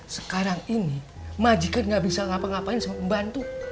sekarang ini majikan gak bisa ngapa ngapain sama bantu